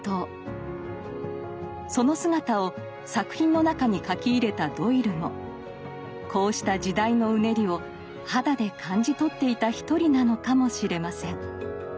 その姿を作品の中に書き入れたドイルもこうした時代のうねりを肌で感じ取っていた一人なのかもしれません。